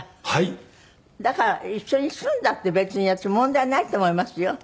だから一緒に住んだって別に私問題ないと思いますよ。